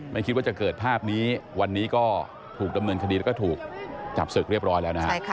ไม่คิดว่าจะเกิดภาพนี้วันนี้ก็ถูกดำเนินคดีแล้วก็ถูกจับศึกเรียบร้อยแล้วนะฮะ